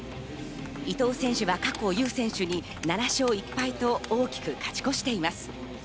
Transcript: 伊藤選手は過去、ユー選手に７勝１敗と大きく勝ち越しています。